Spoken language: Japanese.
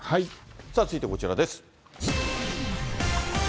続いてこちらです。